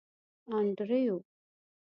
انډریو.